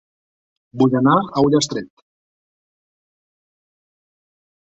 Vull anar a Ullastret